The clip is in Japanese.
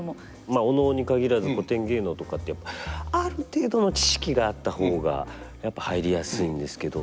まあお能に限らず古典芸能とかってある程度の知識があった方がやっぱり入りやすいんですけど。